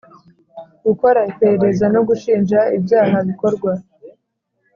Gukora iperereza no gushinja ibyaha bikorwa